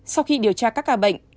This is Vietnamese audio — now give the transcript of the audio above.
sau khi điều tra các ca bệnh